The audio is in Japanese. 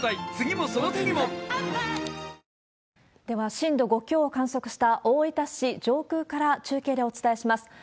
では、震度５強を観測した大分市上空から中継でお伝えします。